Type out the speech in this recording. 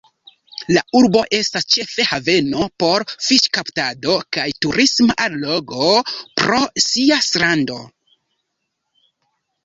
La urbo estas ĉefe haveno por fiŝkaptado kaj turisma allogo pro sia strando.